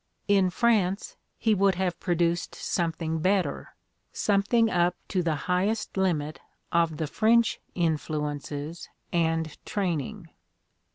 In France he would have produced something better — something up to the highest limit of the French influences and train ing".